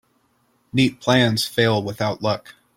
Neat plans fail without luck.